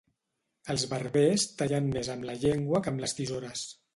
Els barbers tallen més amb la llengua que amb les tisores.